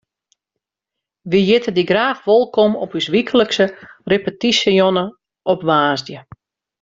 Wy hjitte dy graach wolkom op ús wyklikse repetysjejûn op woansdei.